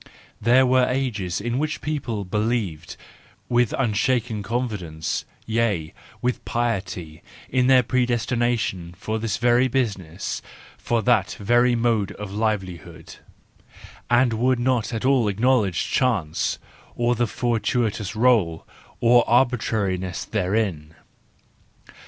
There were ages in which people believed with unshaken confidence, yea, with piety, in their predestination for this very business, for that very mode of livelihood, and would not at all acknowledge chance, or the fortuitous r6Ie, or arbitrariness therein.